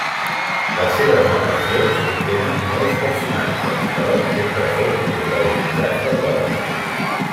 Les seves narracions contenen molts personatges, però sempre són protagonitzats per dones.